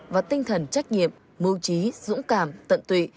và tinh thần trách nhiệm mưu trí dũng cảm tận tụy